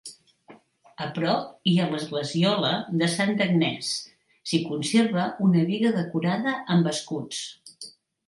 A prop hi ha l'esglesiola de Santa Agnés, s'hi conserva una biga decorada amb escuts.